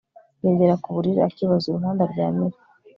yagera ku buriri akibaza uruhande aryamira